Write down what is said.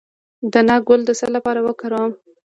د ناک ګل د څه لپاره وکاروم؟